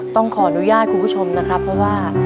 ต้องขออนุญาตคุณผู้ชมนะครับเพราะว่า